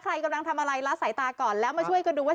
กำลังทำอะไรละสายตาก่อนแล้วมาช่วยกันดูว่า